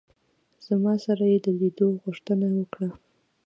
زما سره یې د لیدلو غوښتنه وکړه.